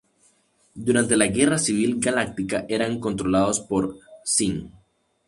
Durante la Guerra Civil Galáctica, eran controlados por Zsinj.